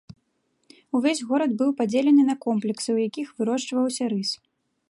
Увесь горад быў падзелены на комплексы, у якіх вырошчваўся рыс.